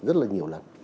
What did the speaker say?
rất là nhiều lần